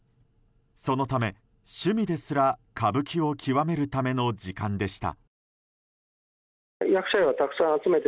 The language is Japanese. そのため、趣味ですら歌舞伎を極めるための時間でした。